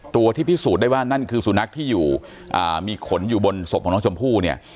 ตัวที่พิสูจน์ได้ว่านั่นคือสุนัขที่อยู่มีขนอยู่บนศพของน้องชมพู่เนี่ย